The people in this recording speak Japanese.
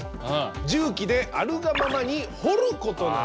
重機で“あるがまま”に「掘る」ことなんですね。